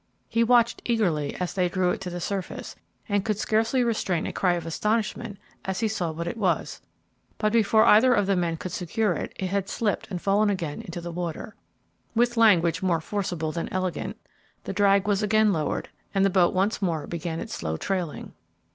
He watched eagerly as they drew it to the surface, and could scarcely restrain a cry of astonishment as he saw what it was, but before either of the men could secure it, it had slipped and fallen again into the water. With language more forcible than elegant, the drag was again lowered, and the boat once more began its slow trailing.